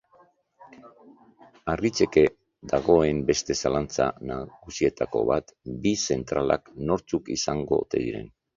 Argitzeke dagoen beste zalantza nagusietako bat bi zentralak nortzuk izango ote diren.